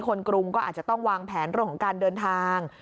กรุงก็อาจจะต้องวางแผนเรื่องของการเดินทาง